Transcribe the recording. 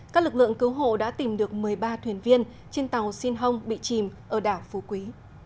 các lực lượng cứu hộ đã tìm được một mươi ba thuyền viên trên tàu xin hồng bị chìm ở đảo phú quý